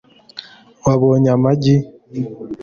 wabonye amagi